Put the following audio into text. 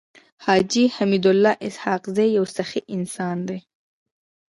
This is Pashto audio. حاجي حميدالله اسحق زی يو سخي انسان دی.